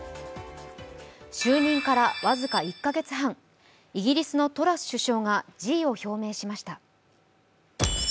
就任から僅か１か月半、イギリスのトラス首相が辞意を表明しました。